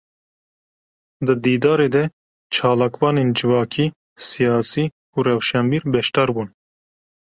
Di dîdarê de çalakvanên civakî, siyasî û rewşenbîr beşdar bûn.